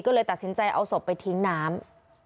ก็เลยตัดสินใจเอาศพไปทิ้งน้ำ